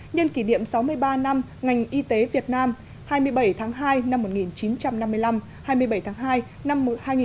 nhân kỷ niệm sáu mươi ba năm ngành y tế việt nam hai mươi bảy tháng hai năm một nghìn chín trăm năm mươi năm hai mươi bảy tháng hai năm một nghìn chín mươi